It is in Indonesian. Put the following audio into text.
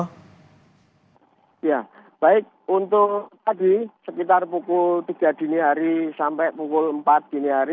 ya baik untuk tadi sekitar pukul tiga dini hari sampai pukul empat dini hari